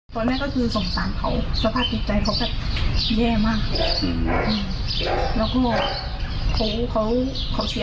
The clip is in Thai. ตอนแรกก็คือสงสารเขาสภาพติดใจเขาแย่มากแล้วก็เขาเขาเสีย